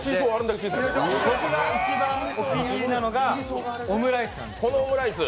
僕が一番お気に入りなのがオムライスなんですよ。